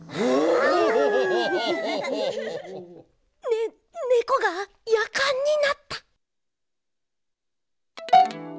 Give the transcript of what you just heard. ねねこがやかんになった！